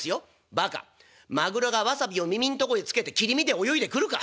「バカまぐろがわさびを耳んとこへつけて切り身で泳いでくるか！？」。